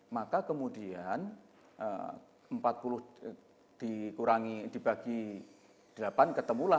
maka kemudian empat puluh dikurangi dibagi delapan ketemulah